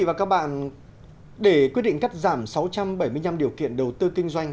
và các bạn để quyết định cắt giảm sáu trăm bảy mươi năm điều kiện đầu tư kinh doanh